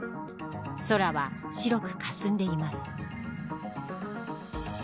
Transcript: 空は白くかすんでいます。